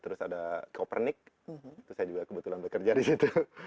terus ada kopernik terus saya juga kebetulan bekerja di situ